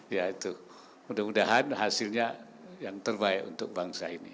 ya itu mudah mudahan hasilnya yang terbaik untuk bangsa ini